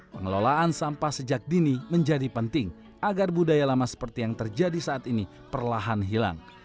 pengelolaan sampah sejak dini menjadi penting agar budaya lama seperti yang terjadi saat ini perlahan hilang